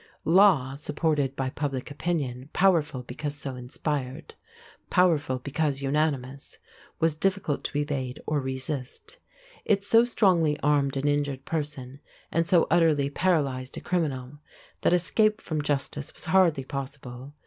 Law supported by public opinion, powerful because so inspired, powerful because unanimous, was difficult to evade or resist. It so strongly armed an injured person, and so utterly paralyzed a criminal, that escape from justice was hardly possible.